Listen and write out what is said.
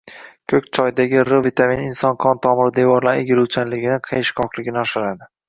Ko‘k choydagi R vitamini inson qon tomiri devorlari egiluvchanligini, qayishqoqligini oshiradi.